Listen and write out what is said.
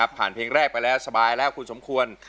เพลงแรกไปแล้วสบายแล้วคุณสมควร